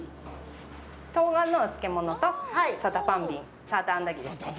冬瓜のお漬物とさたぱんびんサーターアンダギーですね。